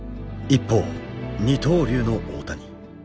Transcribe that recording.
一方二刀流の大谷。